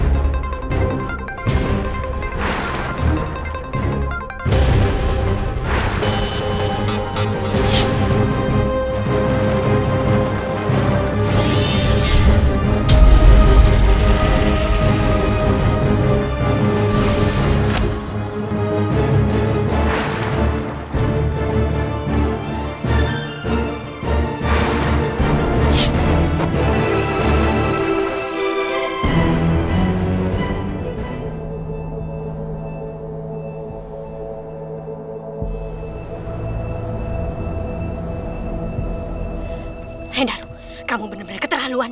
jawab dinda naungulan